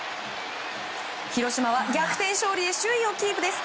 広島は逆転勝利で首位をキープです。